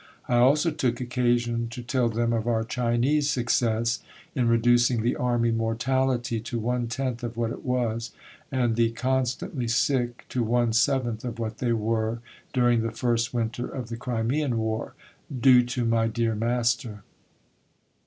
I also took occasion to tell them of our Chinese success in reducing the Army mortality to one tenth of what it was, and the Constantly Sick to one seventh of what they were during the first winter of the Crimean War, due to my dear master."